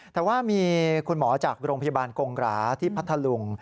แต่ว่ามีคุณหมอจากโรงพยาบาลกงหราที่พัทธลุง